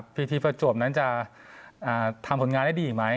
ทีประจวบนั้นจะทำผลงานได้ดีอีกไหม